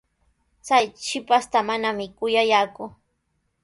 Chay shipashtaqa manami kuyallaaku.